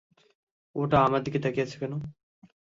ওটা আমার দিকে তাকিয়ে আছে কেন?